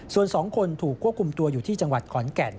ส่วน๒คนถูกควบคุมตัวอยู่ที่จังหวัดขอนแก่น